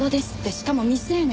しかも未成年。